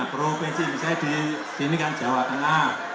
provinsi misalnya di sini kan jawa tengah